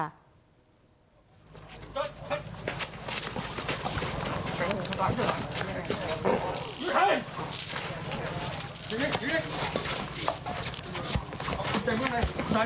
นี่ใครอยู่นี่อยู่นี่